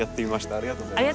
ありがとうございます。